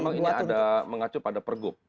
memang ini ada mengacu pada pergub